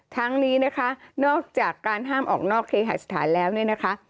ทั้งนี้นะคะนอกจากการห้ามออกนอกเคหาสถานแล้วเนี่ยนะคะ